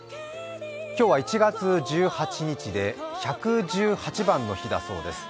今日は１月１８日で、１１８番の日だそうです。